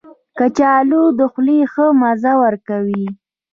کچالو د خولې ښه مزه ورکوي